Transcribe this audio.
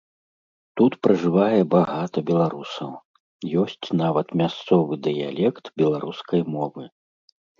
Тут пражывае багата беларусаў, ёсць нават мясцовы дыялект беларускай мовы.